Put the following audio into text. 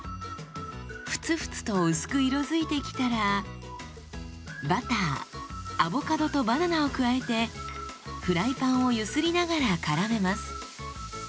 フツフツと薄く色づいてきたらバターアボカドとバナナを加えてフライパンを揺すりながらからめます。